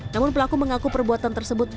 namun pelaku mengaku perbuatan tersebut